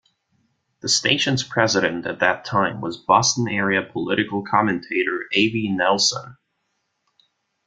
The station's president at that time was Boston-area political commentator Avi Nelson.